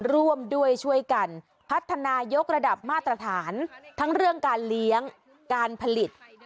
ร่วมด้วยช่วยกันพัฒนายกระดับมาตรฐานทั้งเรื่องการเลี้ยงการผลิต